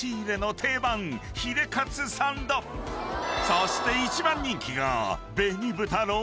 ［そして一番人気が］